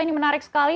ini menarik sekali